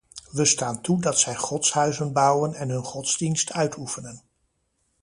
We staan toe dat zij godshuizen bouwen en hun godsdienst uitoefenen.